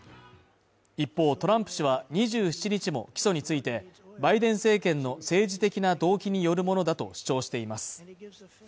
一方トランプ氏は２７日も起訴についてバイデン政権の政治的な動機によるものだと主張しています。